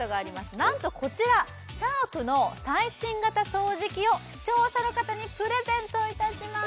なんとこちらＳｈａｒｋの最新型掃除機を視聴者の方にプレゼントいたします！